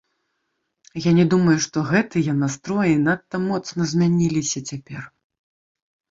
І я не думаю, што гэтыя настроі надта моцна змяніліся цяпер.